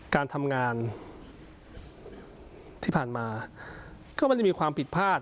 การทำงานที่ผ่านมาก็ไม่ได้มีความผิดพลาด